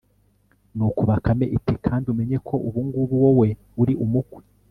nuko bakame iti 'kandi umenye ko ubu ngubu wowe uri umukwe